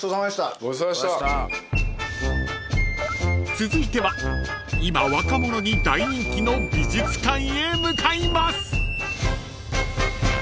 ［続いては今若者に大人気の美術館へ向かいます］